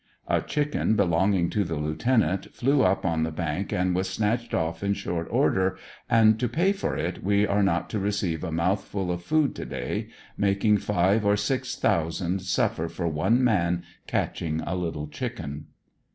A chicken belonging to the lieutenant flew up on the bank and was snatched off in short order, and to pay for it we are not to receive a mouthful of fo:>d to day, making five or six thousand suffer for one man catching a little chicken.